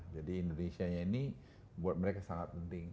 jadi indonesia ini buat mereka sangat penting